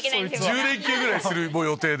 １０連休ぐらいする予定で。